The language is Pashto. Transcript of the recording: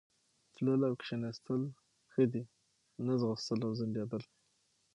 تلل او کښېنستل ښه دي، نه ځغستل او ځنډېدل.